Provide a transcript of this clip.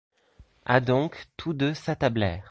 Adoncques tous deux s’attablèrent.